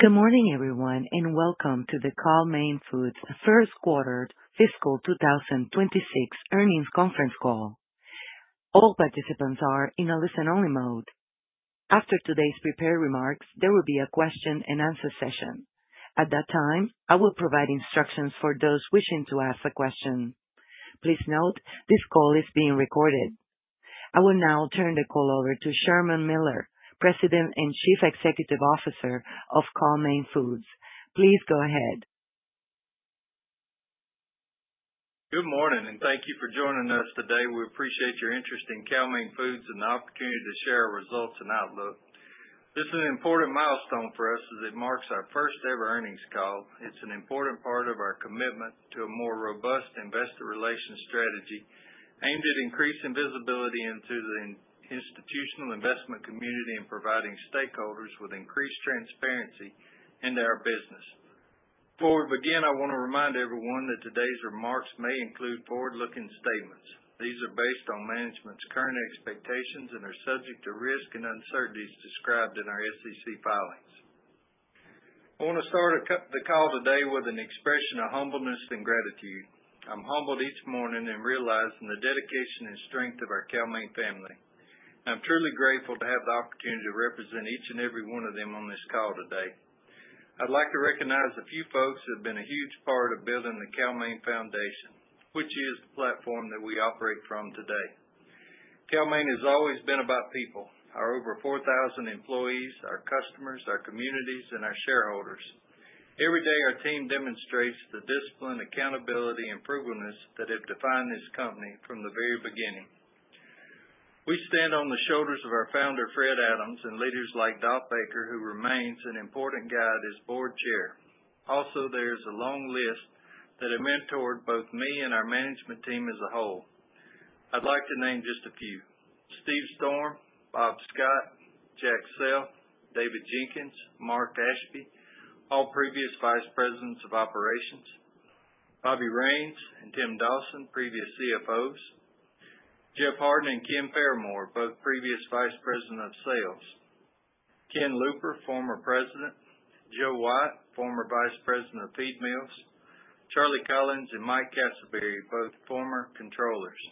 Good morning, everyone, and welcome to the Cal-Maine Foods First Quarter Fiscal 2026 Earnings Conference Call. All participants are in a listen-only mode. After today's prepared remarks, there will be a question-and-answer session. At that time, I will provide instructions for those wishing to ask a question. Please note this call is being recorded. I will now turn the call over to Sherman Miller, President and Chief Executive Officer of Cal-Maine Foods. Please go ahead. Good morning, and thank you for joining us today. We appreciate your interest in Cal-Maine Foods and the opportunity to share our results and outlook. This is an important milestone for us as it marks our first-ever earnings call. It's an important part of our commitment to a more robust Investor Relations strategy aimed at increasing visibility into the institutional investment community and providing stakeholders with increased transparency into our business. Before we begin, I want to remind everyone that today's remarks may include forward-looking statements. These are based on management's current expectations and are subject to risk and uncertainties described in our SEC filings. I want to start the call today with an expression of humbleness and gratitude. I'm humbled each morning in realizing the dedication and strength of our Cal-Maine family. I'm truly grateful to have the opportunity to represent each and every one of them on this call today. I'd like to recognize a few folks who have been a huge part of building the Cal-Maine Foundation, which is the platform that we operate from today. Cal-Maine has always been about people. Our over 4,000 employees, our customers, our communities, and our shareholders. Every day, our team demonstrates the discipline, accountability, and frugalness that have defined this company from the very beginning. We stand on the shoulders of our founder, Fred Adams, and leaders like Dolph Baker, who remains an important guide as board chair. Also, there is a long list that have mentored both me and our management team as a whole. I'd like to name just a few: Steve Storm, Bob Scott, Jack Self, David Jenkins, Mark Ashby, all previous vice presidents of operations, Bobby Raines and Tim Dawson, previous CFOs, Jeff Hardin and Kim Farris, both previous vice presidents of sales, Ken Looper, former president, Joe White, former vice president of feed mills, Charlie Collins and Mike Castleberry, both former controllers.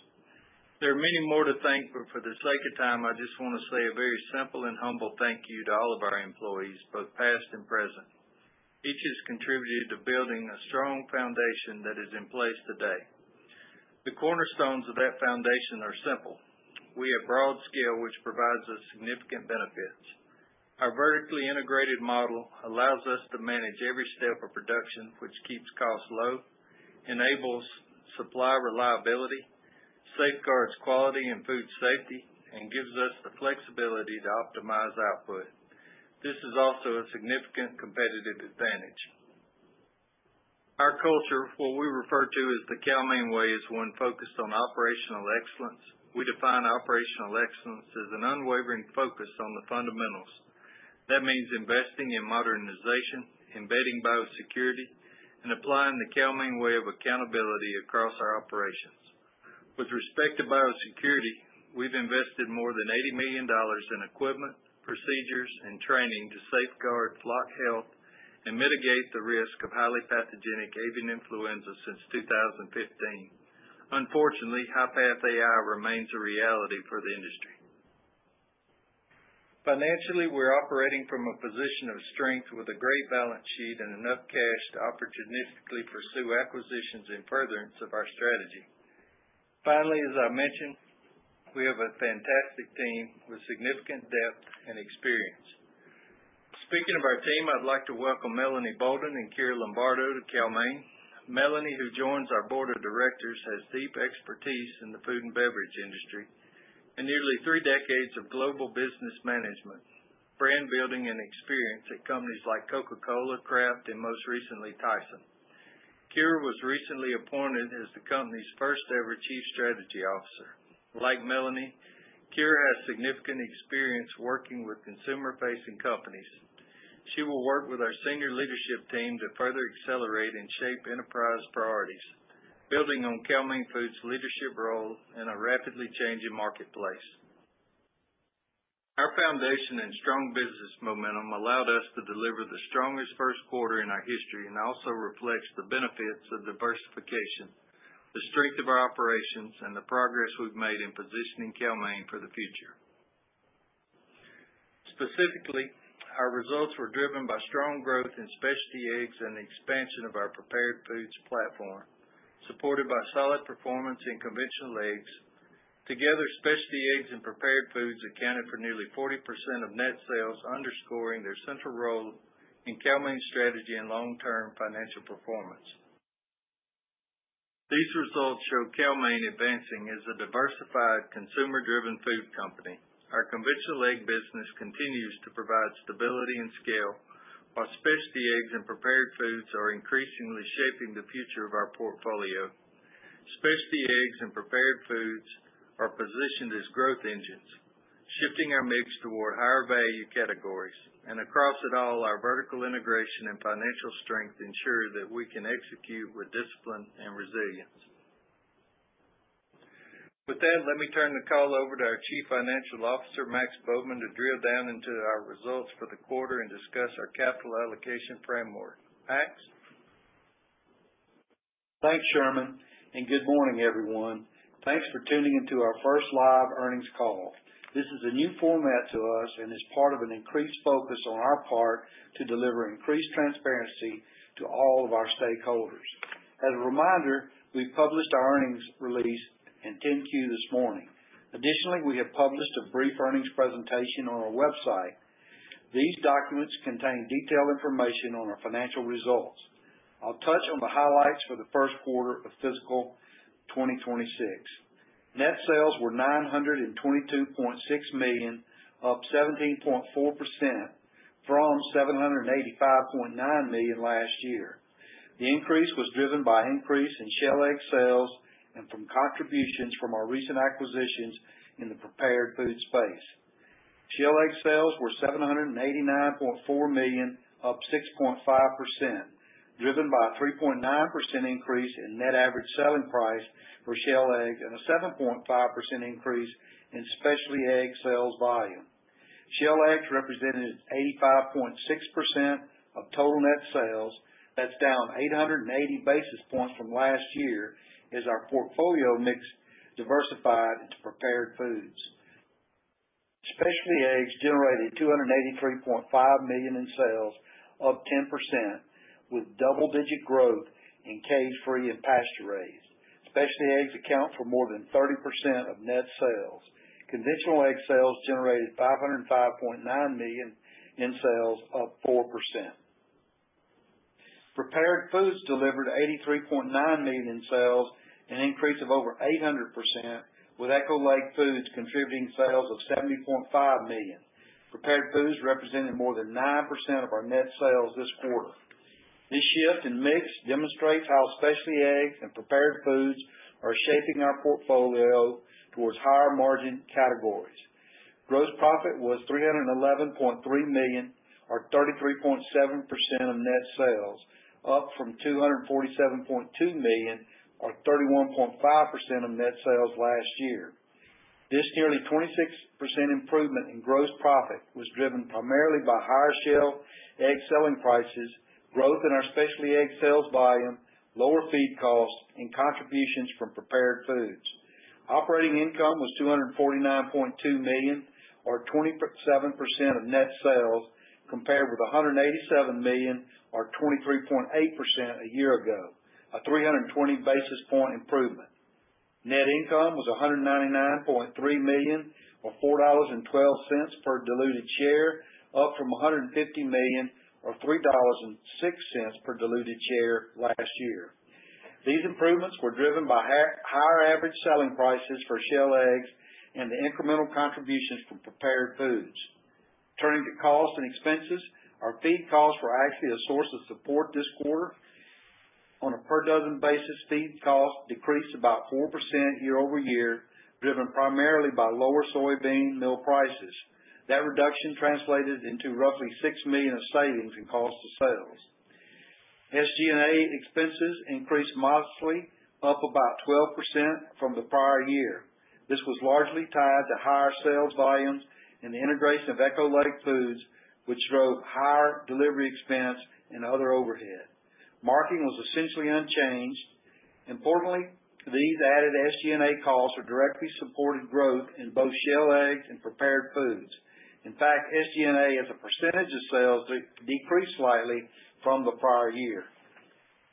There are many more to thank, but for the sake of time, I just want to say a very simple and humble thank you to all of our employees, both past and present. Each has contributed to building a strong foundation that is in place today. The cornerstones of that foundation are simple. We have broad scale, which provides us significant benefits. Our vertically integrated model allows us to manage every step of production, which keeps costs low, enables supply reliability, safeguards quality and food safety, and gives us the flexibility to optimize output. This is also a significant competitive advantage. Our culture, what we refer to as the Cal-Maine way, is one focused on operational excellence. We define operational excellence as an unwavering focus on the fundamentals. That means investing in modernization, embedding biosecurity, and applying the Cal-Maine way of accountability across our operations. With respect to biosecurity, we've invested more than $80 million in equipment, procedures, and training to safeguard flock health and mitigate the risk of highly pathogenic avian influenza since 2015. Unfortunately, High-Path AI remains a reality for the industry. Financially, we're operating from a position of strength with a great balance sheet and enough cash to opportunistically pursue acquisitions and furtherance of our strategy. Finally, as I mentioned, we have a fantastic team with significant depth and experience. Speaking of our team, I'd like to welcome Melanie Boulden and Kira Lombardo to Cal-Maine. Melanie, who joins our board of directors, has deep expertise in the food and beverage industry and nearly three decades of global business management, brand building, and experience at companies like Coca-Cola, Kraft, and most recently, Tyson. Kira was recently appointed as the company's first-ever Chief Strategy Officer. Like Melanie, Kira has significant experience working with consumer-facing companies. She will work with our senior leadership team to further accelerate and shape enterprise priorities, building on Cal-Maine Foods' leadership role in a rapidly changing marketplace. Our foundation and strong business momentum allowed us to deliver the strongest first quarter in our history and also reflects the benefits of diversification, the strength of our operations, and the progress we've made in positioning Cal-Maine for the future. Specifically, our results were driven by strong growth in specialty eggs and the expansion of our prepared foods platform, supported by solid performance in conventional eggs. Together, specialty eggs and prepared foods accounted for nearly 40% of net sales, underscoring their central role in Cal-Maine's strategy and long-term financial performance. These results show Cal-Maine advancing as a diversified, consumer-driven food company. Our conventional egg business continues to provide stability and scale, while specialty eggs and prepared foods are increasingly shaping the future of our portfolio. Specialty eggs and prepared foods are positioned as growth engines, shifting our mix toward higher value categories. And across it all, our vertical integration and financial strength ensure that we can execute with discipline and resilience. With that, let me turn the call over to our Chief Financial Officer, Max Bowman, to drill down into our results for the quarter and discuss our capital allocation framework. Max? Thanks, Sherman, and good morning, everyone. Thanks for tuning into our first live earnings call. This is a new format to us and is part of an increased focus on our part to deliver increased transparency to all of our stakeholders. As a reminder, we published our earnings release in 10-Q this morning. Additionally, we have published a brief earnings presentation on our website. These documents contain detailed information on our financial results. I'll touch on the highlights for the first quarter of fiscal 2026. Net sales were $922.6 million, up 17.4% from $785.9 million last year. The increase was driven by an increase in shell egg sales and from contributions from our recent acquisitions in the prepared food space. Shell egg sales were $789.4 million, up 6.5%, driven by a 3.9% increase in net average selling price for shell eggs and a 7.5% increase in specialty egg sales volume. Shell eggs represented 85.6% of total net sales. That's down 880 basis points from last year as our portfolio mix diversified into prepared foods. Specialty eggs generated $283.5 million in sales, up 10%, with double-digit growth in cage-free and pasture-raised. Specialty eggs account for more than 30% of net sales. Conventional egg sales generated $505.9 million in sales, up 4%. Prepared foods delivered $83.9 million in sales, an increase of over 800%, with Echo Lake Foods contributing sales of $70.5 million. Prepared foods represented more than 9% of our net sales this quarter. This shift in mix demonstrates how specialty eggs and prepared foods are shaping our portfolio towards higher margin categories. Gross profit was $311.3 million, or 33.7% of net sales, up from $247.2 million, or 31.5% of net sales last year. This nearly 26% improvement in gross profit was driven primarily by higher shell egg selling prices, growth in our specialty egg sales volume, lower feed costs, and contributions from prepared foods. Operating income was $249.2 million, or 27% of net sales, compared with $187 million, or 23.8% a year ago, a 320 basis point improvement. Net income was $199.3 million, or $4.12 per diluted share, up from $150 million, or $3.06 per diluted share last year. These improvements were driven by higher average selling prices for shell eggs and the incremental contributions from prepared foods. Turning to costs and expenses, our feed costs were actually a source of support this quarter. On a per-dozen basis, feed costs decreased about 4% year over year, driven primarily by lower soybean mill prices. That reduction translated into roughly $6 million of savings in cost of sales. SG&A expenses increased modestly, up about 12% from the prior year. This was largely tied to higher sales volumes and the integration of Echo Lake Foods, which drove higher delivery expense and other overhead. Marketing was essentially unchanged. Importantly, these added SG&A costs directly supported growth in both shell eggs and prepared foods. In fact, SG&A has a percentage of sales that decreased slightly from the prior year.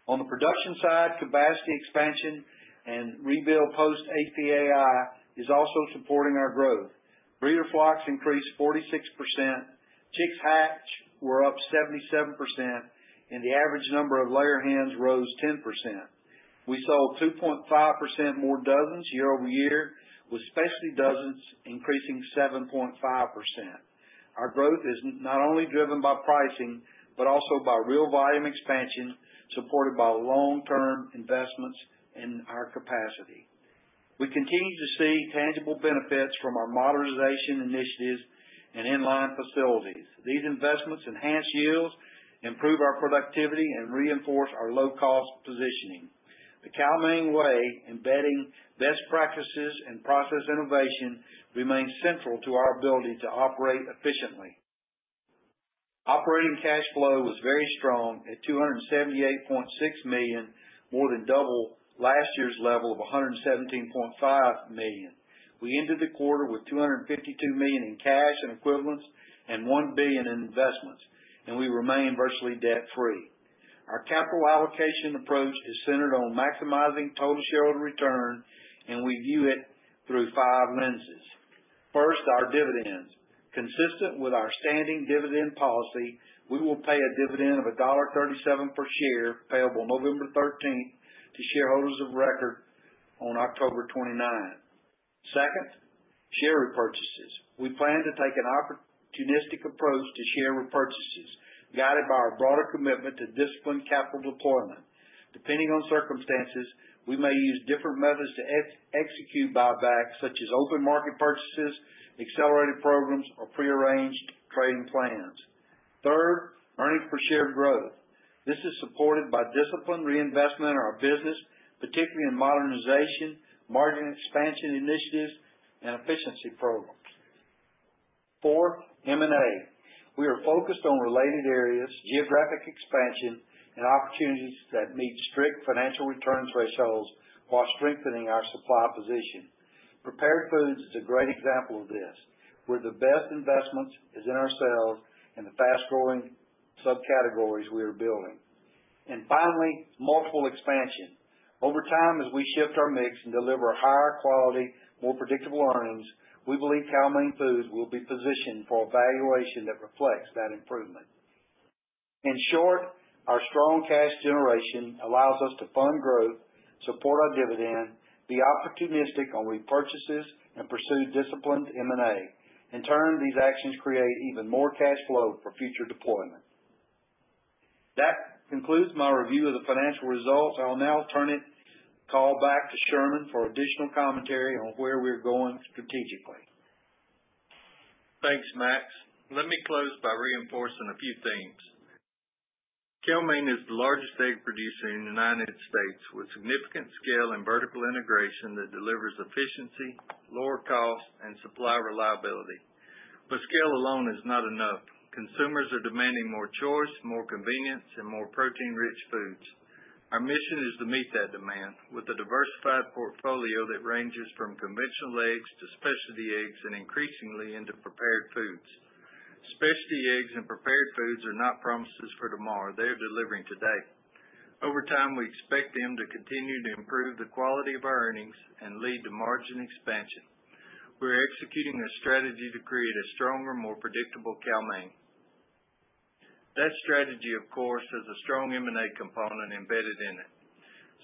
On the production side, capacity expansion and rebuild post-HPAI is also supporting our growth. Breeder flocks increased 46%. Chicks hatched were up 77%, and the average number of layer hens rose 10%. We sold 2.5% more dozens year over year, with specialty dozens increasing 7.5%. Our growth is not only driven by pricing but also by real volume expansion supported by long-term investments in our capacity. We continue to see tangible benefits from our modernization initiatives and inline facilities. These investments enhance yields, improve our productivity, and reinforce our low-cost positioning. The Cal-Maine way, embedding best practices and process innovation, remains central to our ability to operate efficiently. Operating cash flow was very strong at $278.6 million, more than double last year's level of $117.5 million. We ended the quarter with $252 million in cash and equivalents and $1 billion in investments, and we remained virtually debt-free. Our capital allocation approach is centered on maximizing total shareholder return, and we view it through five lenses. First, our dividends. Consistent with our standing dividend policy, we will pay a dividend of $1.37 per share, payable November 13th to shareholders of record on October 29th. Second, share repurchases. We plan to take an opportunistic approach to share repurchases, guided by our broader commitment to disciplined capital deployment. Depending on circumstances, we may use different methods to execute buybacks, such as open market purchases, accelerated programs, or prearranged trading plans. Third, earnings per share growth. This is supported by disciplined reinvestment in our business, particularly in modernization, margin expansion initiatives, and efficiency programs. Fourth, M&A. We are focused on related areas, geographic expansion, and opportunities that meet strict financial return thresholds while strengthening our supply position. Prepared foods is a great example of this, where the best investment is in ourselves and the fast-growing subcategories we are building. And finally, multiple expansion. Over time, as we shift our mix and deliver higher quality, more predictable earnings, we believe Cal-Maine Foods will be positioned for a valuation that reflects that improvement. In short, our strong cash generation allows us to fund growth, support our dividend, be opportunistic on repurchases, and pursue disciplined M&A. In turn, these actions create even more cash flow for future deployment. That concludes my review of the financial results. I'll now turn it back to Sherman for additional commentary on where we're going strategically. Thanks, Max. Let me close by reinforcing a few things. Cal-Maine is the largest egg producer in the United States, with significant scale and vertical integration that delivers efficiency, lower costs, and supply reliability. But scale alone is not enough. Consumers are demanding more choice, more convenience, and more protein-rich foods. Our mission is to meet that demand with a diversified portfolio that ranges from conventional eggs to specialty eggs and increasingly into prepared foods. Specialty eggs and prepared foods are not promises for tomorrow. They are delivering today. Over time, we expect them to continue to improve the quality of our earnings and lead to margin expansion. We're executing a strategy to create a stronger, more predictable Cal-Maine. That strategy, of course, has a strong M&A component embedded in it,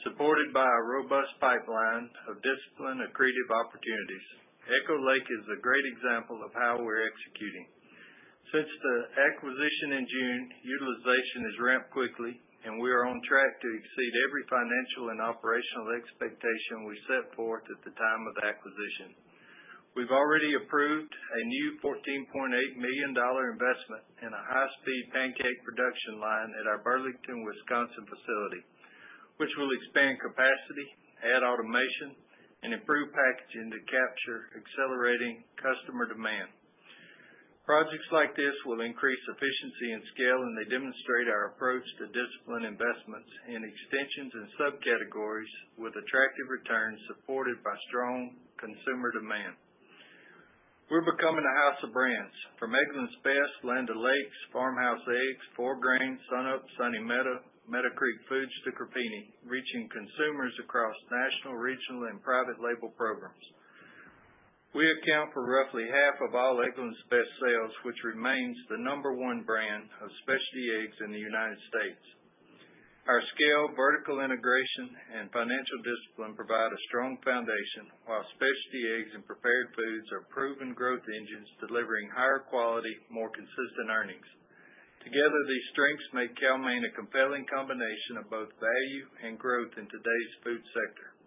supported by a robust pipeline of disciplined accretive opportunities. Echo Lake is a great example of how we're executing. Since the acquisition in June, utilization has ramped quickly, and we are on track to exceed every financial and operational expectation we set forth at the time of the acquisition. We've already approved a new $14.8 million investment in a high-speed pancake production line at our Burlington, Wisconsin facility, which will expand capacity, add automation, and improve packaging to capture accelerating customer demand. Projects like this will increase efficiency and scale, and they demonstrate our approach to disciplined investments in extensions and subcategories with attractive returns supported by strong consumer demand. We're becoming a house of brands from Eggland’s Best, Land O’ Lakes, Farmhouse Eggs, 4Grain, Sunups, Sunny Meadow, MeadowCreek Foods, to Crepini, reaching consumers across national, regional, and private label programs. We account for roughly half of all Eggland’s Best sales, which remains the number one brand of specialty eggs in the United States. Our scale, vertical integration, and financial discipline provide a strong foundation, while specialty eggs and prepared foods are proven growth engines delivering higher quality, more consistent earnings. Together, these strengths make Cal-Maine a compelling combination of both value and growth in today's food sector.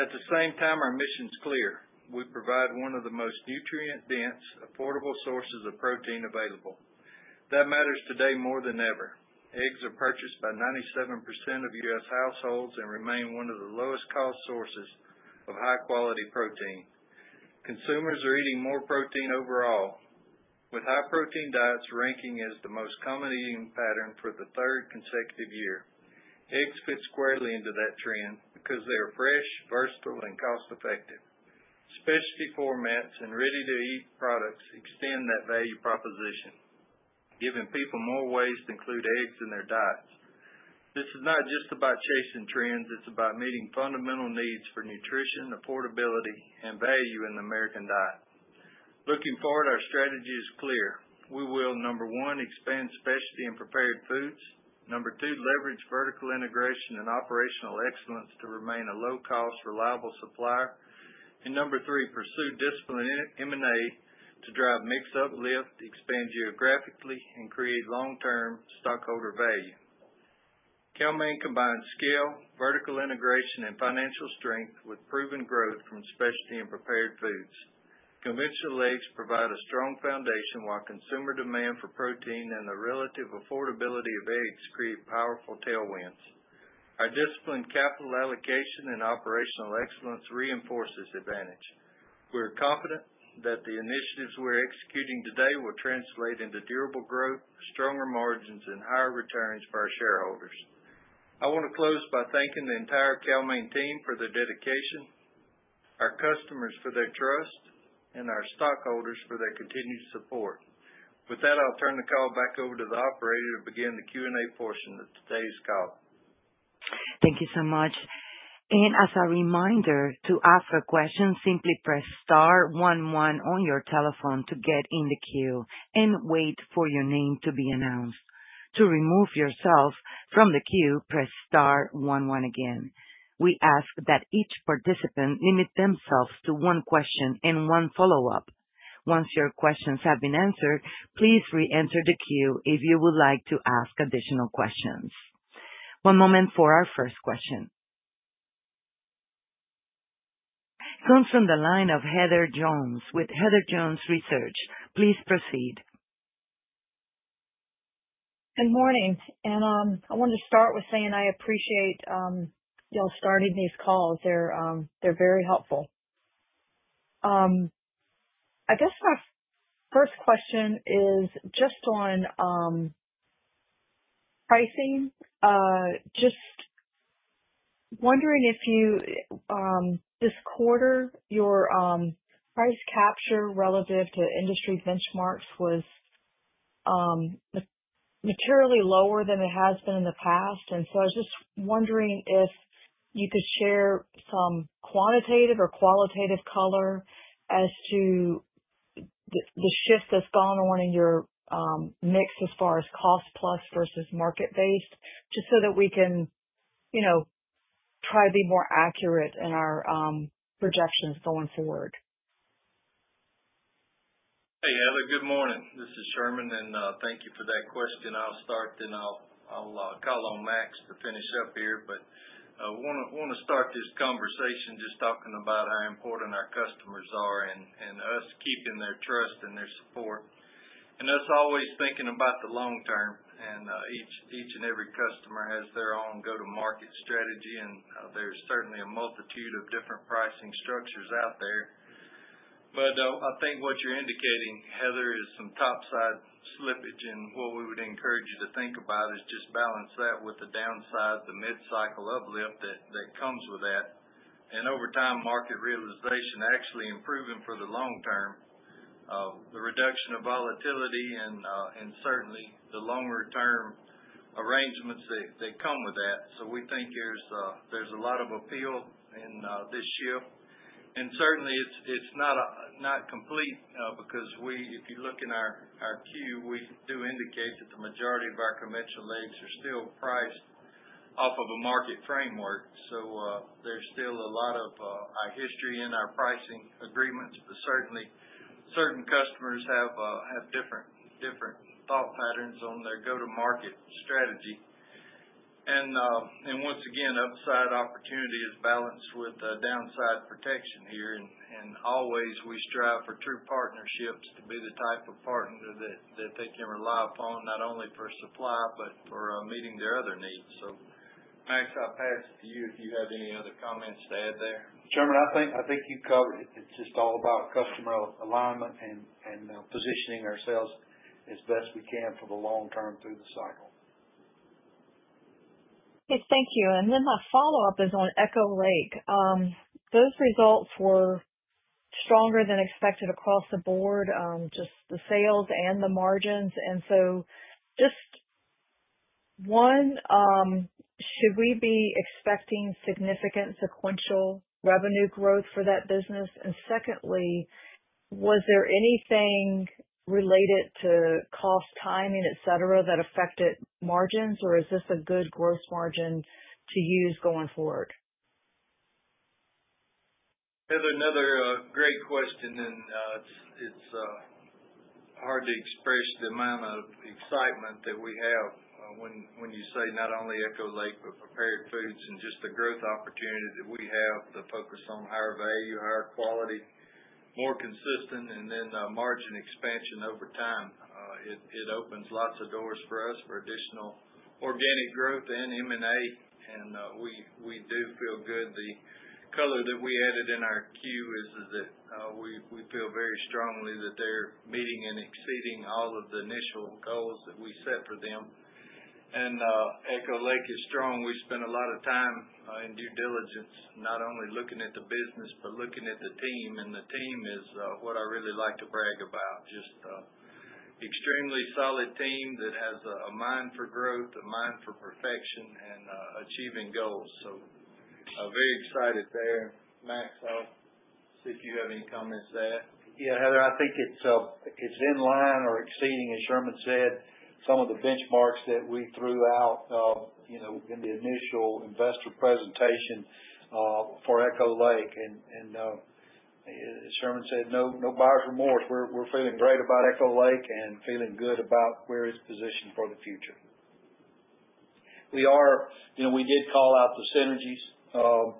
At the same time, our mission is clear. We provide one of the most nutrient-dense, affordable sources of protein available. That matters today more than ever. Eggs are purchased by 97% of U.S. households and remain one of the lowest-cost sources of high-quality protein. Consumers are eating more protein overall, with high-protein diets ranking as the most common eating pattern for the third consecutive year. Eggs fit squarely into that trend because they are fresh, versatile, and cost-effective. Specialty formats and ready-to-eat products extend that value proposition, giving people more ways to include eggs in their diets. This is not just about chasing trends. It's about meeting fundamental needs for nutrition, affordability, and value in the American diet. Looking forward, our strategy is clear. We will, number one, expand specialty and prepared foods. Number two, leverage vertical integration and operational excellence to remain a low-cost, reliable supplier. And number three, pursue disciplined M&A to drive mix-uplift, expand geographically, and create long-term stockholder value. Cal-Maine combines scale, vertical integration, and financial strength with proven growth from specialty and prepared foods. Conventional eggs provide a strong foundation, while consumer demand for protein and the relative affordability of eggs create powerful tailwinds. Our disciplined capital allocation and operational excellence reinforce this advantage. We are confident that the initiatives we're executing today will translate into durable growth, stronger margins, and higher returns for our shareholders. I want to close by thanking the entire Cal-Maine team for their dedication, our customers for their trust, and our stockholders for their continued support. With that, I'll turn the call back over to the Operator to begin the Q&A portion of today's call. Thank you so much. And as a reminder, to ask a question, simply press Star 11 on your telephone to get in the queue and wait for your name to be announced. To remove yourself from the queue, press Star 11 again. We ask that each participant limit themselves to one question and one follow-up. Once your questions have been answered, please re-enter the queue if you would like to ask additional questions. One moment for our first question. Comes from the line of Heather Jones with Heather Jones Research. Please proceed. Good morning, and I wanted to start with saying I appreciate y'all starting these calls. They're very helpful. I guess my first question is just on pricing. Just wondering if this quarter your price capture relative to industry benchmarks was materially lower than it has been in the past, and so I was just wondering if you could share some quantitative or qualitative color as to the shift that's gone on in your mix as far as cost-plus versus market-based, just so that we can try to be more accurate in our projections going forward. Hey, Heather. Good morning. This is Sherman, and thank you for that question. I'll start, then I'll call on Max to finish up here. But I want to start this conversation just talking about how important our customers are and us keeping their trust and their support. And that's always thinking about the long term. And each and every customer has their own go-to-market strategy, and there's certainly a multitude of different pricing structures out there. But I think what you're indicating, Heather, is some topside slippage. And what we would encourage you to think about is just balance that with the downside, the mid-cycle uplift that comes with that. And over time, market realization actually improving for the long term, the reduction of volatility, and certainly the longer-term arrangements that come with that. So we think there's a lot of appeal in this shift. Certainly, it's not complete because if you look in our 10-Q, we do indicate that the majority of our conventional eggs are still priced off of a market framework. So there's still a lot of history in our pricing agreements, but certainly certain customers have different thought patterns on their go-to-market strategy. And once again, upside opportunity is balanced with downside protection here. And always, we strive for true partnerships to be the type of partner that they can rely upon, not only for supply but for meeting their other needs. So Max, I'll pass it to you if you have any other comments to add there. Sherman, I think you covered it. It's just all about customer alignment and positioning ourselves as best we can for the long term through the cycle. Thank you, and then my follow-up is on Echo Lake. Those results were stronger than expected across the board, just the sales and the margins, and so just one, should we be expecting significant sequential revenue growth for that business? And secondly, was there anything related to cost, timing, etc., that affected margins, or is this a good gross margin to use going forward? Heather, another great question, and it's hard to express the amount of excitement that we have when you say not only Echo Lake but prepared foods and just the growth opportunity that we have, the focus on higher value, higher quality, more consistent, and then margin expansion over time. It opens lots of doors for us for additional organic growth and M&A. And we do feel good. The color that we added in our queue is that we feel very strongly that they're meeting and exceeding all of the initial goals that we set for them. And Echo Lake is strong. We spend a lot of time in due diligence, not only looking at the business but looking at the team. And the team is what I really like to brag about. Just an extremely solid team that has a mind for growth, a mind for perfection, and achieving goals. So I'm very excited there. Max, I'll see if you have any comments to add. Yeah, Heather, I think it's in line or exceeding, as Sherman said, some of the benchmarks that we threw out in the initial investor presentation for Echo Lake, and Sherman said no buyer's remorse. We're feeling great about Echo Lake and feeling good about where it's positioned for the future. We did call out the synergies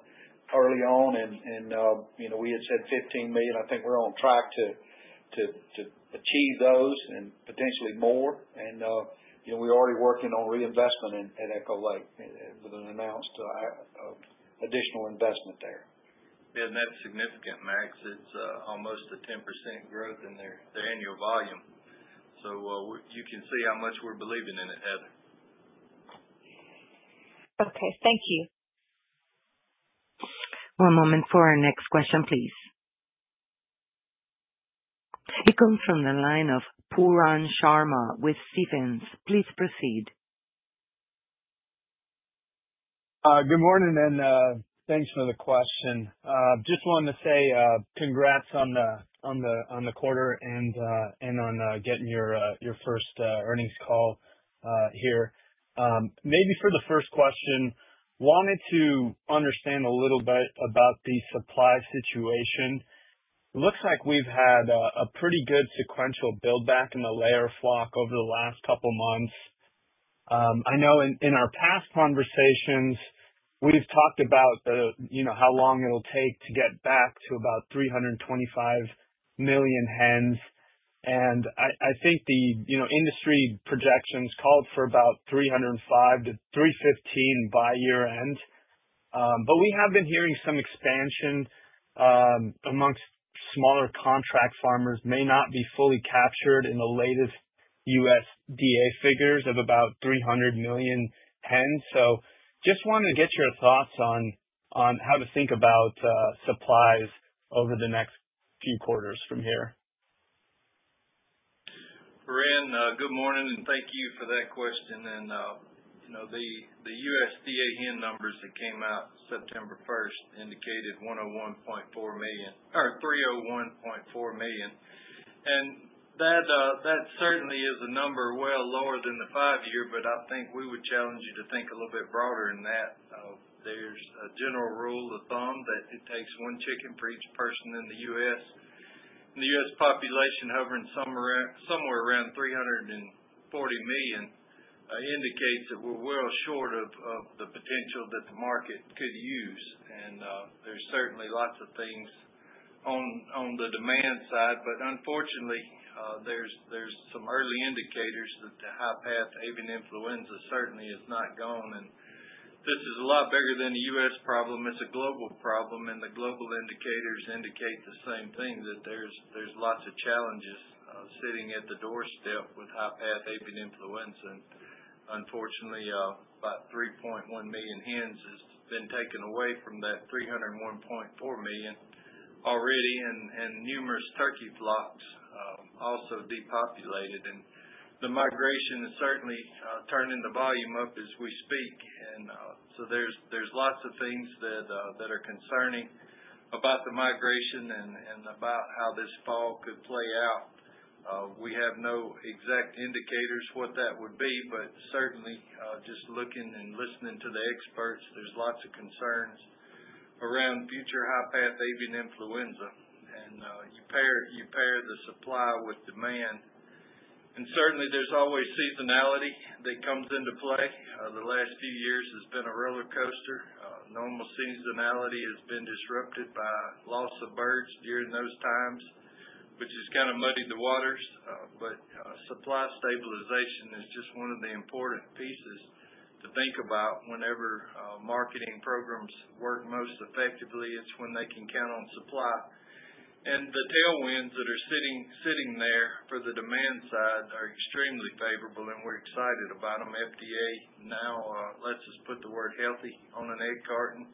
early on, and we had said $15 million. I think we're on track to achieve those and potentially more, and we're already working on reinvestment at Echo Lake with an announced additional investment there. Yeah, and that's significant, Max. It's almost a 10% growth in their annual volume. So you can see how much we're believing in it, Heather. Okay. Thank you. One moment for our next question, please. It comes from the line of Pooran Sharma with Stephens. Please proceed. Good morning, and thanks for the question. Just wanted to say congrats on the quarter and on getting your first earnings call here. Maybe for the first question, wanted to understand a little bit about the supply situation. It looks like we've had a pretty good sequential buildback in the layer flock over the last couple of months. I know in our past conversations, we've talked about how long it'll take to get back to about 325 million hens. And I think the industry projections called for about 305-315 by year-end. But we have been hearing some expansion amongst smaller contract farmers may not be fully captured in the latest USDA figures of about 300 million hens. So just wanted to get your thoughts on how to think about supplies over the next few quarters from here. Pooran, good morning, and thank you for that question. And the USDA hen numbers that came out September 1st indicated 101.4 million or 301.4 million. And that certainly is a number well lower than the five-year, but I think we would challenge you to think a little bit broader than that. There's a general rule of thumb that it takes one chicken for each person in the U.S. The U.S. population hovering somewhere around 340 million indicates that we're well short of the potential that the market could use. And there's certainly lots of things on the demand side. But unfortunately, there's some early indicators that the high-path avian influenza certainly is not gone. And this is a lot bigger than the U.S. problem. It's a global problem. And the global indicators indicate the same thing, that there's lots of challenges sitting at the doorstep with high-path avian influenza. Unfortunately, about 3.1 million hens has been taken away from that 301.4 million already, and numerous turkey flocks also depopulated. The migration is certainly turning the volume up as we speak. There's lots of things that are concerning about the migration and about how this fall could play out. We have no exact indicators what that would be, but certainly, just looking and listening to the experts, there's lots of concerns around future high-path avian influenza. You pair the supply with demand. Certainly, there's always seasonality that comes into play. The last few years has been a roller coaster. Normal seasonality has been disrupted by loss of birds during those times, which has kind of muddied the waters. Supply stabilization is just one of the important pieces to think about whenever marketing programs work most effectively. It's when they can count on supply. And the tailwinds that are sitting there for the demand side are extremely favorable, and we're excited about them. FDA now lets us put the word healthy on an egg carton.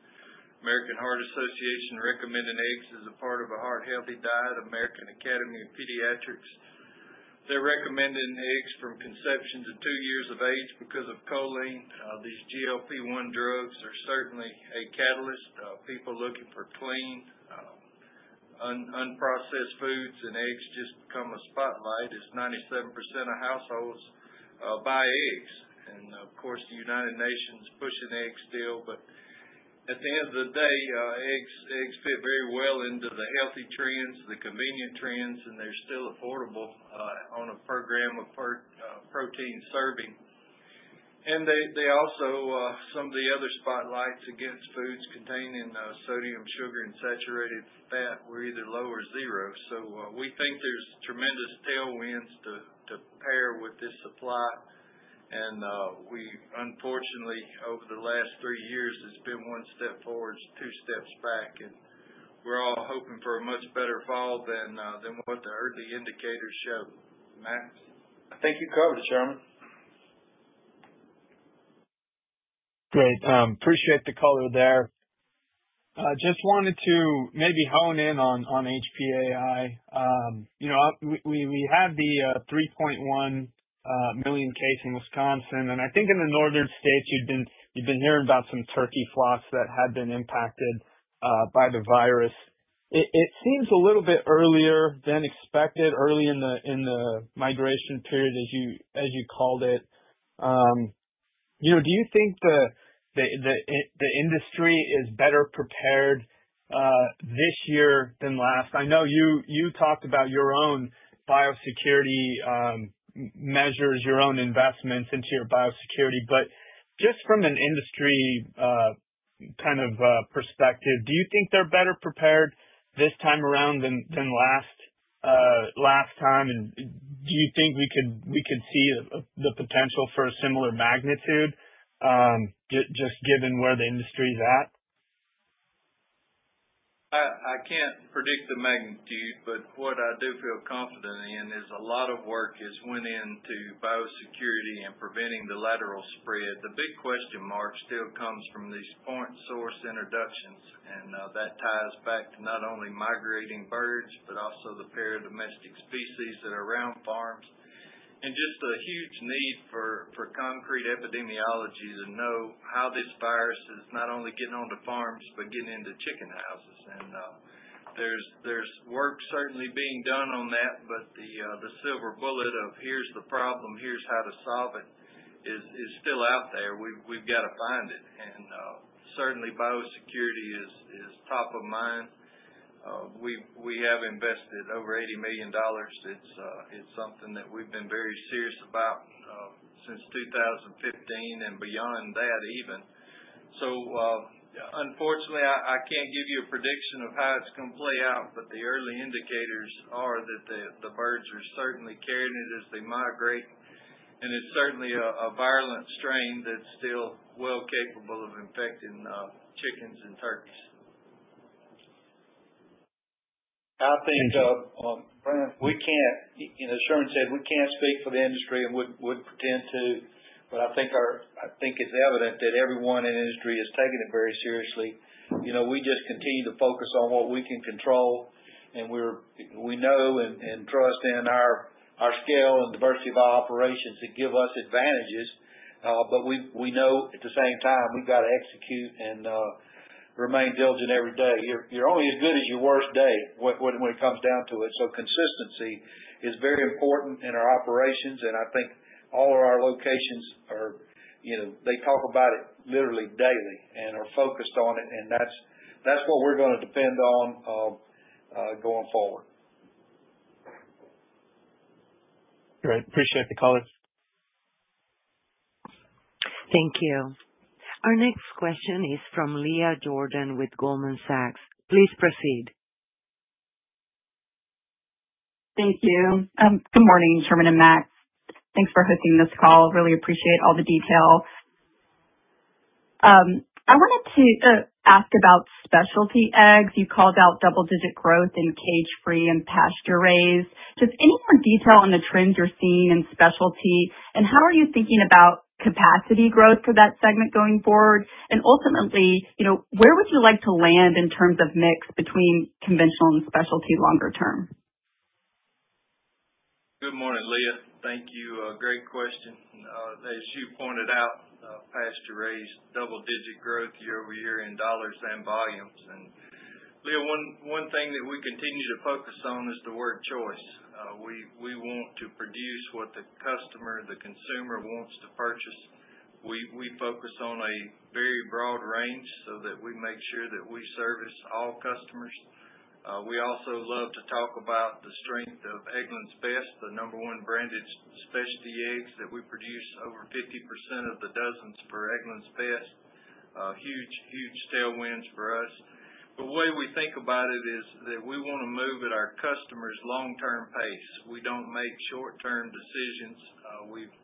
American Heart Association recommending eggs as a part of a heart-healthy diet. American Academy of Pediatrics, they're recommending eggs from conception to two years of age because of choline. These GLP-1 drugs are certainly a catalyst. People looking for clean, unprocessed foods and eggs just become a spotlight as 97% of households buy eggs. And of course, the United Nations pushing eggs still. But at the end of the day, eggs fit very well into the healthy trends, the convenient trends, and they're still affordable on a program of protein serving. And they also have some of the other spotlights against foods containing sodium, sugar, and saturated fat were either low or zero. So we think there's tremendous tailwinds to pair with this supply. And we, unfortunately, over the last three years, it's been one step forward, two steps back. And we're all hoping for a much better fall than what the early indicators show. Max? I think you covered it, Sherman. Great. Appreciate the color there. Just wanted to maybe hone in on HPAI. We had the 3.1 million case in Wisconsin. And I think in the northern states, you've been hearing about some turkey flocks that had been impacted by the virus. It seems a little bit earlier than expected, early in the migration period, as you called it. Do you think the industry is better prepared this year than last? I know you talked about your own biosecurity measures, your own investments into your biosecurity. But just from an industry kind of perspective, do you think they're better prepared this time around than last time? And do you think we could see the potential for a similar magnitude just given where the industry is at? I can't predict the magnitude, but what I do feel confident in is a lot of work has went into biosecurity and preventing the lateral spread. The big question mark still comes from these point-source introductions, and that ties back to not only migrating birds but also the variety of domestic species that are around farms and just the huge need for concrete epidemiology to know how this virus is not only getting onto farms but getting into chicken houses, and there's work certainly being done on that, but the silver bullet of, "Here's the problem. Here's how to solve it," is still out there. We've got to find it, and certainly, biosecurity is top of mind. We have invested over $80 million. It's something that we've been very serious about since 2015 and beyond that even. So unfortunately, I can't give you a prediction of how it's going to play out, but the early indicators are that the birds are certainly carrying it as they migrate. And it's certainly a virulent strain that's still well capable of infecting chickens and turkeys. I think, Pooran, we can't, Sherman said we can't speak for the industry and wouldn't pretend to, but I think it's evident that everyone in the industry is taking it very seriously. We just continue to focus on what we can control, and we know and trust in our scale and diversity of our operations that give us advantages, but we know at the same time we've got to execute and remain diligent every day. You're only as good as your worst day when it comes down to it, so consistency is very important in our operations, and I think all of our locations, they talk about it literally daily and are focused on it, and that's what we're going to depend on going forward. Great. Appreciate the color. Thank you. Our next question is from Leah Jordan with Goldman Sachs. Please proceed. Thank you. Good morning, Sherman and Max. Thanks for hosting this call. Really appreciate all the detail. I wanted to ask about specialty eggs. You called out double-digit growth in cage-free and pasture-raised. Just any more detail on the trends you're seeing in specialty, and how are you thinking about capacity growth for that segment going forward? And ultimately, where would you like to land in terms of mix between conventional and specialty longer term? Good morning, Leah. Thank you. Great question. As you pointed out, pasture-raised, double-digit growth year over year in dollars and volumes. And Leah, one thing that we continue to focus on is the word choice. We want to produce what the customer, the consumer, wants to purchase. We focus on a very broad range so that we make sure that we service all customers. We also love to talk about the strength of Eggland’s Best, the number one branded specialty eggs that we produce over 50% of the dozens for Eggland’s Best. Huge, huge tailwinds for us. But the way we think about it is that we want to move at our customer's long-term pace. We don't make short-term decisions.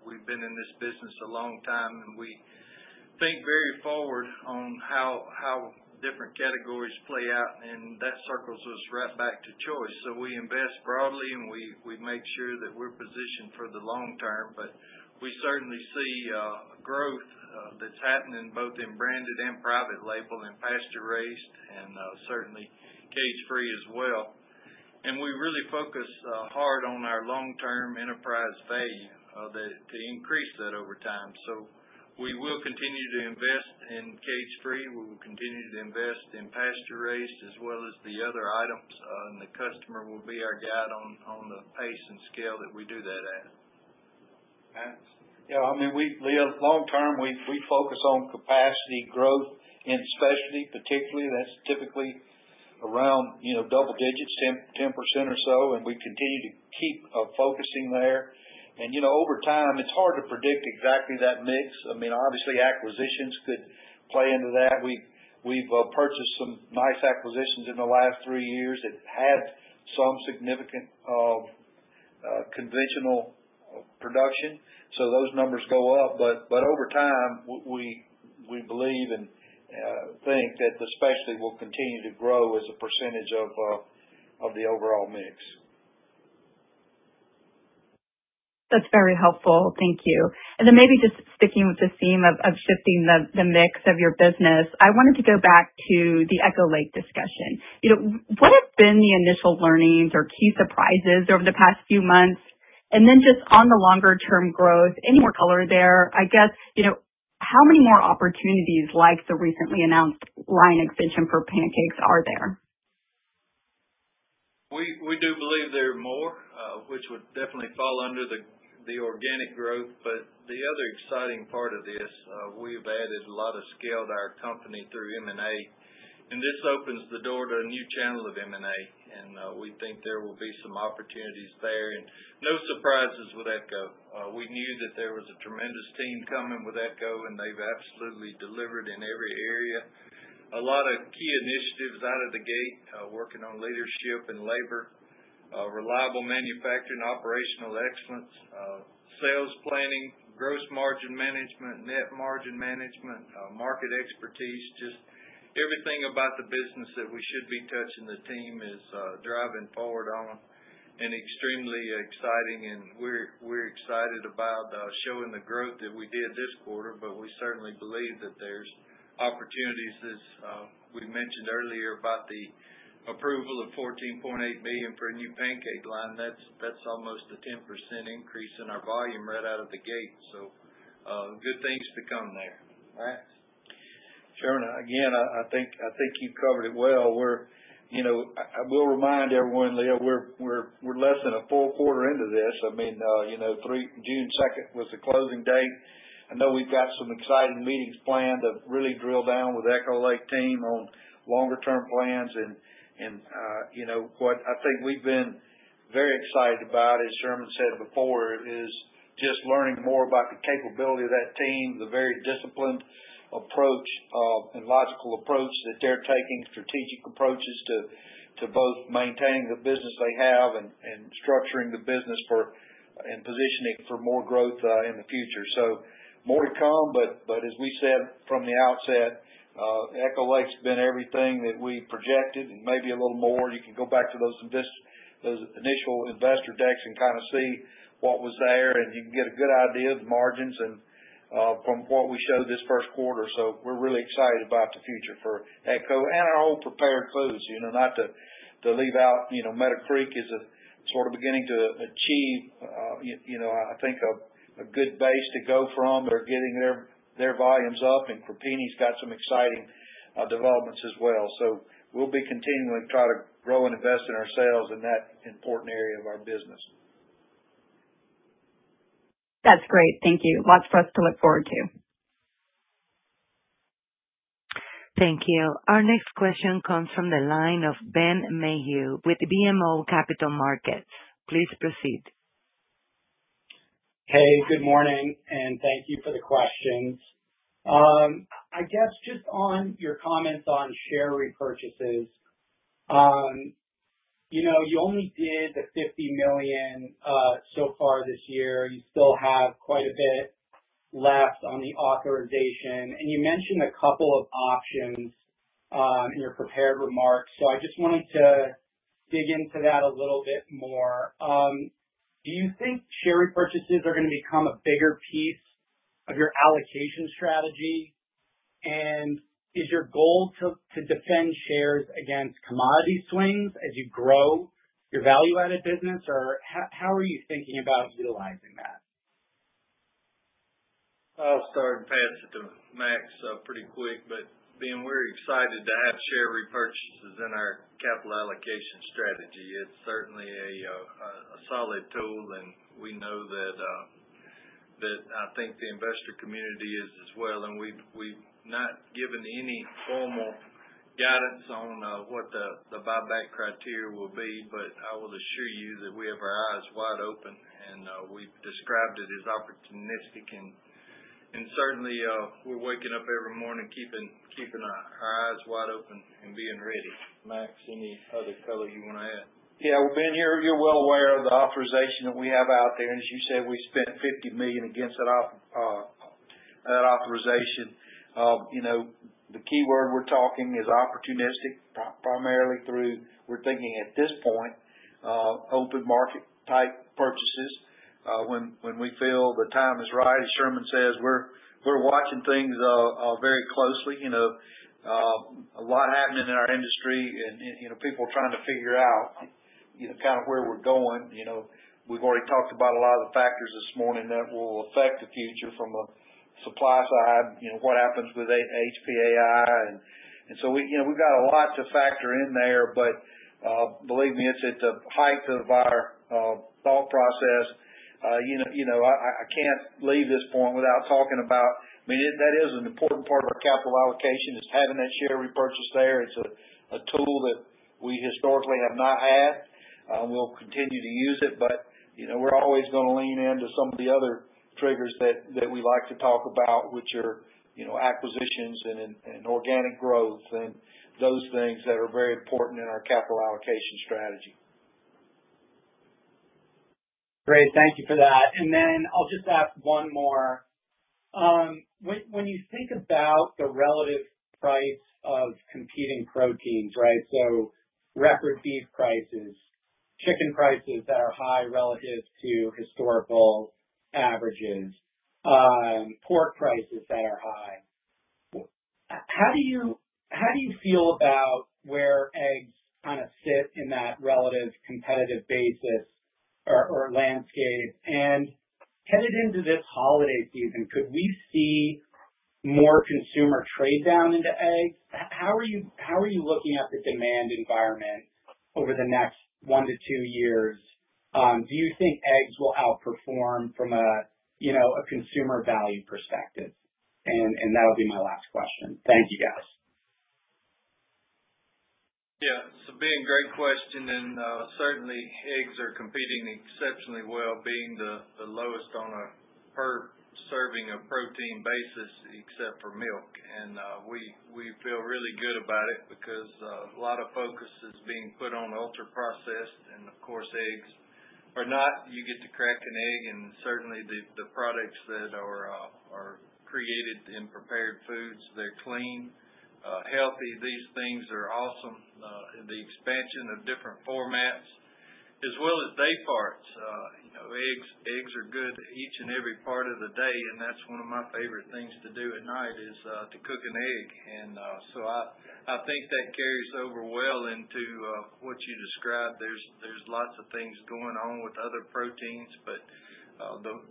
We've been in this business a long time, and we think very forward on how different categories play out. And that circles us right back to choice. So we invest broadly, and we make sure that we're positioned for the long term. But we certainly see growth that's happening both in branded and private label and pasture-raised and certainly cage-free as well. And we really focus hard on our long-term enterprise value to increase that over time. So we will continue to invest in cage-free. We will continue to invest in pasture-raised as well as the other items. And the customer will be our guide on the pace and scale that we do that at. Max? Yeah. I mean, Leah, long-term, we focus on capacity growth in specialty, particularly. That's typically around double digits, 10% or so, and we continue to keep focusing there, and over time, it's hard to predict exactly that mix. I mean, obviously, acquisitions could play into that. We've purchased some nice acquisitions in the last three years that had some significant conventional production. So those numbers go up, but over time, we believe and think that the specialty will continue to grow as a percentage of the overall mix. That's very helpful. Thank you. And then maybe just sticking with the theme of shifting the mix of your business, I wanted to go back to the Echo Lake discussion. What have been the initial learnings or key surprises over the past few months? And then just on the longer-term growth, any more color there? I guess, how many more opportunities like the recently announced line extension for pancakes are there? We do believe there are more, which would definitely fall under the organic growth but the other exciting part of this, we've added a lot of scale to our company through M&A and this opens the door to a new channel of M&A and we think there will be some opportunities there and no surprises with Echo. We knew that there was a tremendous team coming with Echo, and they've absolutely delivered in every area. A lot of key initiatives out of the gate, working on leadership and labor, reliable manufacturing operational excellence, sales planning, gross margin management, net margin management, market expertise. Just everything about the business that we should be touching, the team is driving forward on and extremely exciting. We're excited about showing the growth that we did this quarter but we certainly believe that there's opportunities. As we mentioned earlier about the approval of $14.8 million for a new pancake line, that's almost a 10% increase in our volume right out of the gate, so good things to come there. Max? Sherman, again, I think you've covered it well. We'll remind everyone, Leah, we're less than a full quarter into this. I mean, June 2nd was the closing date. I know we've got some exciting meetings planned to really drill down with Echo Lake team on longer-term plans. And what I think we've been very excited about, as Sherman said before, is just learning more about the capability of that team, the very disciplined approach and logical approach that they're taking, strategic approaches to both maintaining the business they have and structuring the business and positioning for more growth in the future. So more to come. But as we said from the outset, Echo Lake's been everything that we projected and maybe a little more. You can go back to those initial investor decks and kind of see what was there. And you can get a good idea of the margins from what we showed this first quarter. So we're really excited about the future for Echo and our old prepared foods. Not to leave out, MeadowCreek is sort of beginning to achieve, I think, a good base to go from. They're getting their volumes up. And Crepini's got some exciting developments as well. So we'll be continuing to try to grow and invest in ourselves in that important area of our business. That's great. Thank you. Lots for us to look forward to. Thank you. Our next question comes from the line of Ben Mayhew with BMO Capital Markets. Please proceed. Hey, good morning. And thank you for the questions. I guess just on your comments on share repurchases, you only did the 50 million so far this year. You still have quite a bit left on the authorization. And you mentioned a couple of options in your prepared remarks. So I just wanted to dig into that a little bit more. Do you think share repurchases are going to become a bigger piece of your allocation strategy? And is your goal to defend shares against commodity swings as you grow your value-added business? Or how are you thinking about utilizing that? I'll start and pass it to Max pretty quick. But, Ben, we're excited to have share repurchases in our capital allocation strategy. It's certainly a solid tool. And we know that I think the investor community is as well. And we've not given any formal guidance on what the buyback criteria will be. But I will assure you that we have our eyes wide open. And we've described it as opportunistic. And certainly, we're waking up every morning keeping our eyes wide open and being ready. Max, any other color you want to add? Yeah. Well, Ben, you're well aware of the authorization that we have out there. And as you said, we spent $50 million against that authorization. The key word we're talking is opportunistic, primarily through we're thinking at this point, open market-type purchases when we feel the time is right. As Sherman says, we're watching things very closely. A lot happening in our industry and people trying to figure out kind of where we're going. We've already talked about a lot of the factors this morning that will affect the future from a supply side, what happens with HPAI. And so we've got a lot to factor in there. But believe me, it's at the height of our thought process. I can't leave this point without talking about, I mean, that is an important part of our capital allocation, is having that share repurchase there. It's a tool that we historically have not had. We'll continue to use it. But we're always going to lean into some of the other triggers that we like to talk about, which are acquisitions and organic growth and those things that are very important in our capital allocation strategy. Great. Thank you for that. And then I'll just ask one more. When you think about the relative price of competing proteins, right, so record beef prices, chicken prices that are high relative to historical averages, pork prices that are high. how do you feel about where eggs kind of sit in that relative competitive basis or landscape? And headed into this holiday season, could we see more consumer trade down into eggs? How are you looking at the demand environment over the next one to two years? Do you think eggs will outperform from a consumer value perspective? And that'll be my last question. Thank you, guys. Yeah, so Ben, great question, and certainly eggs are competing exceptionally well, being the lowest on a per serving of protein basis except for milk, and we feel really good about it because a lot of focus is being put on ultra-processed, and of course eggs are not. You get to crack an egg, and certainly the products that are created in prepared foods, they're clean, healthy. These things are awesome. The expansion of different formats as well as day parts. Eggs are good each and every part of the day, and that's one of my favorite things to do at night is to cook an egg, so I think that carries over well into what you described. There's lots of things going on with other proteins, but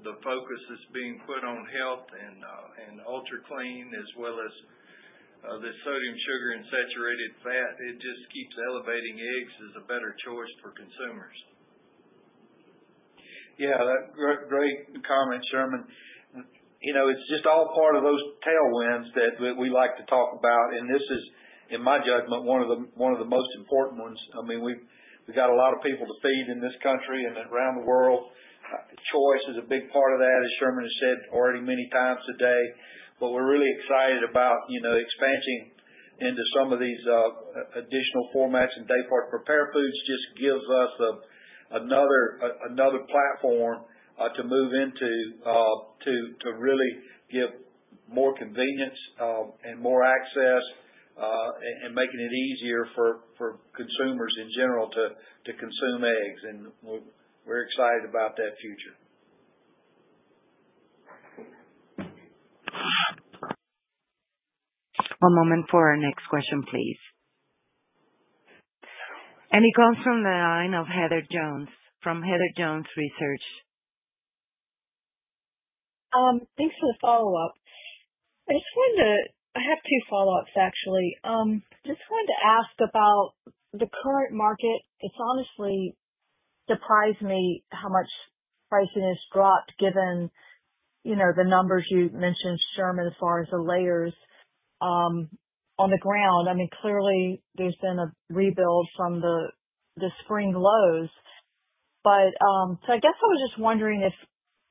the focus is being put on health and ultra-clean as well as the sodium, sugar, and saturated fat. It just keeps elevating eggs as a better choice for consumers. Yeah. Great comment, Sherman. It's just all part of those tailwinds that we like to talk about. And this is, in my judgment, one of the most important ones. I mean, we've got a lot of people to feed in this country and around the world. Choice is a big part of that, as Sherman has said already many times today. But we're really excited about expansion into some of these additional formats, and day-part prepared foods just gives us another platform to move into to really give more convenience and more access and making it easier for consumers in general to consume eggs. And we're excited about that future. One moment for our next question, please. And it comes from the line of Heather Jones from Heather Jones Research. Thanks for the follow-up. I have two follow-ups, actually. Just wanted to ask about the current market. It's honestly surprised me how much pricing has dropped given the numbers you mentioned, Sherman, as far as the layers on the ground. I mean, clearly, there's been a rebuild from the spring lows. So I guess I was just wondering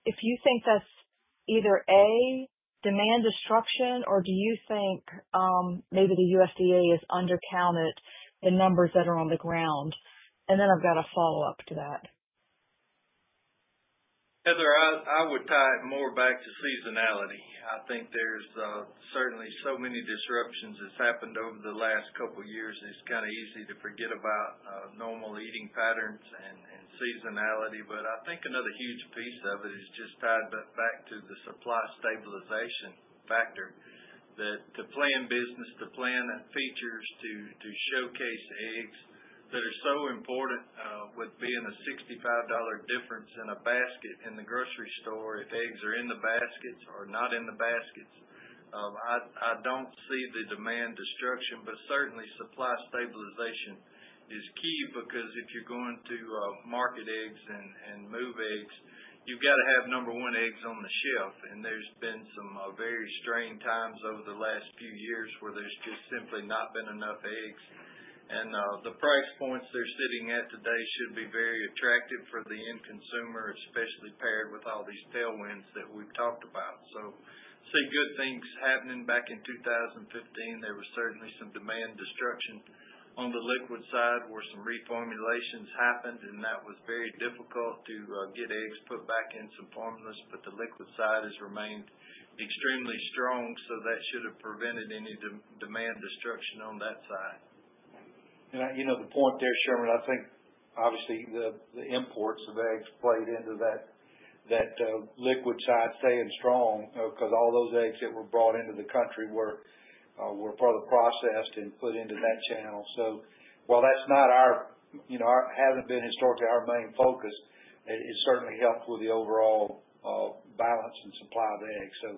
if you think that's either A, demand destruction, or do you think maybe the USDA has undercounted the numbers that are on the ground? And then I've got a follow-up to that. Heather, I would tie it more back to seasonality. I think there's certainly so many disruptions that's happened over the last couple of years. It's kind of easy to forget about normal eating patterns and seasonality. But I think another huge piece of it is just tied back to the supply stabilization factor, that to plan business, to plan features, to showcase eggs that are so important with being a $65 difference in a basket in the grocery store, if eggs are in the baskets or not in the baskets. I don't see the demand destruction. But certainly, supply stabilization is key because if you're going to market eggs and move eggs, you've got to have, number one, eggs on the shelf. And there's been some very strained times over the last few years where there's just simply not been enough eggs. And the price points they're sitting at today should be very attractive for the end consumer, especially paired with all these tailwinds that we've talked about. So I see good things happening. Back in 2015, there was certainly some demand destruction on the liquid side where some reformulations happened. And that was very difficult to get eggs put back in some formulas. But the liquid side has remained extremely strong. So that should have prevented any demand destruction on that side. The point there, Sherman, I think obviously the imports of eggs played into that liquid side staying strong because all those eggs that were brought into the country were further processed and put into that channel. So while that's not ours, hasn't been historically our main focus, it certainly helped with the overall balance and supply of eggs. So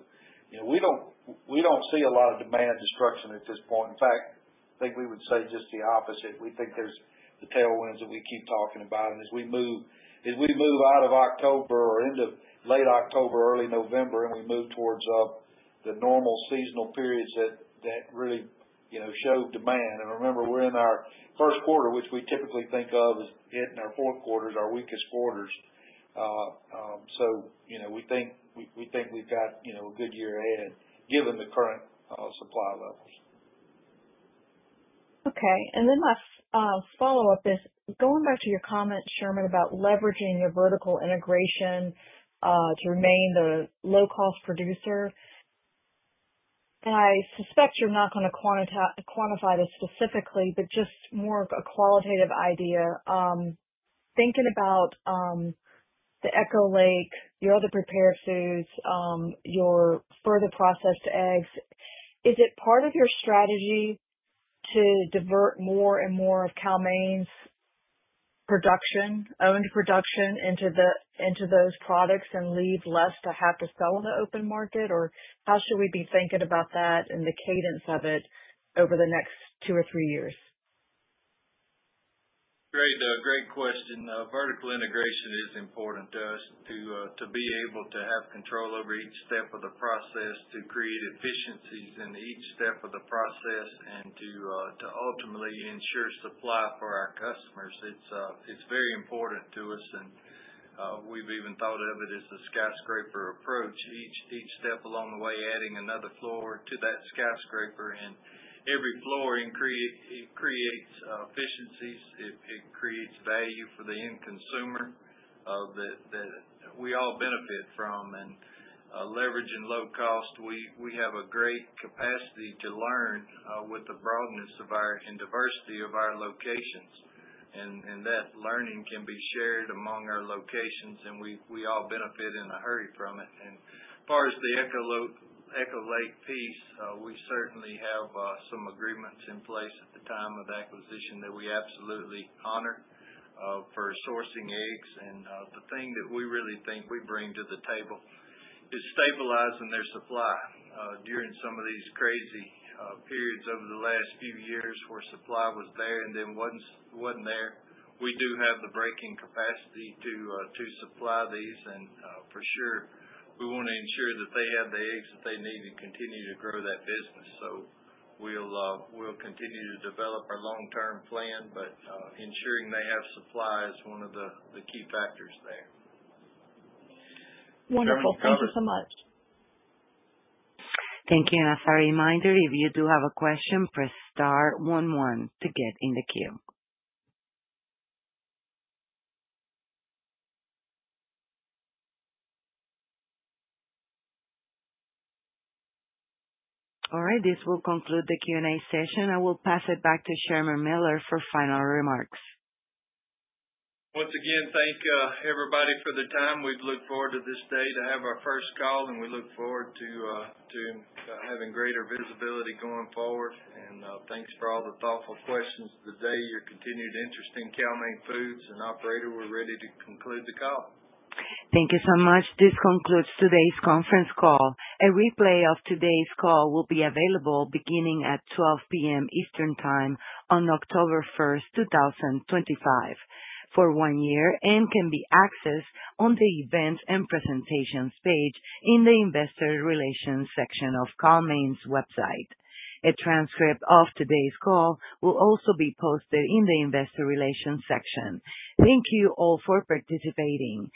we don't see a lot of demand destruction at this point. In fact, I think we would say just the opposite. We think there's the tailwinds that we keep talking about. And as we move out of October or into late October, early November, and we move towards the normal seasonal periods that really show demand. And remember, we're in our first quarter, which we typically think of as hitting our fourth quarters, our weakest quarters. So we think we've got a good year ahead given the current supply levels. Okay. And then my follow-up is going back to your comment, Sherman, about leveraging your vertical integration to remain the low-cost producer. And I suspect you're not going to quantify this specifically, but just more of a qualitative idea. Thinking about the Echo Lake, your other prepared foods, your further processed eggs, is it part of your strategy to divert more and more of Cal-Maine's owned production into those products and leave less to have to sell on the open market? Or how should we be thinking about that and the cadence of it over the next two or three years? Great. Great question. Vertical integration is important to us to be able to have control over each step of the process, to create efficiencies in each step of the process, and to ultimately ensure supply for our customers. It's very important to us, and we've even thought of it as a skyscraper approach, each step along the way adding another floor to that skyscraper, and every floor creates efficiencies. It creates value for the end consumer that we all benefit from, and leveraging low cost, we have a great capacity to learn with the broadness and diversity of our locations, and that learning can be shared among our locations, and we all benefit in a hurry from it, and as far as the Echo Lake piece, we certainly have some agreements in place at the time of acquisition that we absolutely honor for sourcing eggs. And the thing that we really think we bring to the table is stabilizing their supply during some of these crazy periods over the last few years where supply was there and then wasn't there. We do have the breaking capacity to supply these. And for sure, we want to ensure that they have the eggs that they need and continue to grow that business. So we'll continue to develop our long-term plan. But ensuring they have supply is one of the key factors there. Wonderful. Thank you so much. Thank you. And as a reminder, if you do have a question, press Star 11 to get in the queue. All right. This will conclude the Q&A session. I will pass it back to Sherman Miller for final remarks. Once again, thank everybody for the time. We've looked forward to this day to have our first call. And we look forward to having greater visibility going forward. And thanks for all the thoughtful questions today. Your continued interest in Cal-Maine Foods, and Operator. We're ready to conclude the call. Thank you so much. This concludes today's conference call. A replay of today's call will be available beginning at 12:00 P.M. Eastern Time on October 1st, 2025, for one year and can be accessed on the Events and Presentations page in the Investor Relations section of Cal-Maine's website. A transcript of today's call will also be posted in the Investor Relations section. Thank you all for participating.